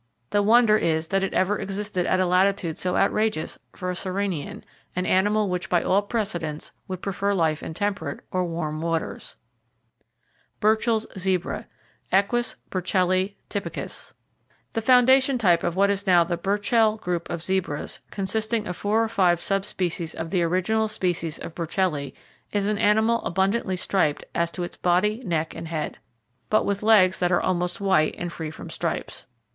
The wonder is that it ever existed at a latitude so outrageous for a Sirenian, an animal which by all precedents should prefer life in temperate or warm waters. BURCHELL'S ZEBRA, IN THE U.S. NATIONAL MUSEUM Now Believed to be Totally Extinct Burchell's Zebra, (Equus burchelli typicus). —The foundation type of what now is the Burchell group of zebras, consisting of four or five sub species of the original species of burchelli, is an animal abundantly striped as to its body, neck and head, but with legs that are almost white and free from stripes.